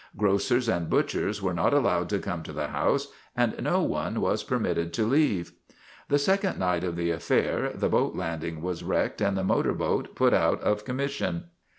Grocers and butchers were not allowed to come to the house and no one was permitted to leave. The second night of the affair the boat landing STRIKE AT TIVERTON MANOR 14? was wrecked and the motor boat put out of com mission.